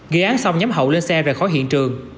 ghi án xong nhóm hậu lên xe và khó hiện trường